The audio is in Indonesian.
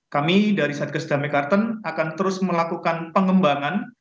kami dari satgas damai karten akan terus melakukan pengembangan